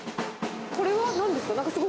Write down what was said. これはなんですか？